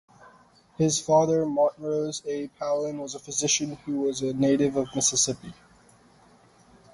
His father, Montrose A. Pallen, was a physician who was a native of Mississippi.